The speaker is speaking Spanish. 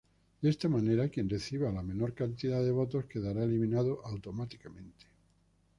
De esta manera, quien reciba la menor cantidad de votos, quedará eliminado automáticamente.